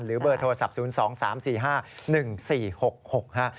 หรือเบอร์โทรศัพท์๐๒๓๔๕๑๔๖๖ค่ะ